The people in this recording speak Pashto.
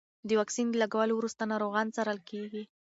د واکسین د لګولو وروسته ناروغان څارل کېږي.